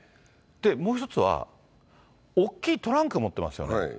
もう一つは、大きいトランク持ってますよね。